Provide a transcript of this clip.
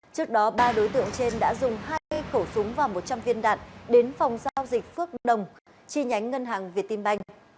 trước đó ba đối tượng trên đã dùng hai khẩu súng và một trăm linh viên đạn đến phòng giao dịch phước đồng chi nhánh ngân hàng việt tim banh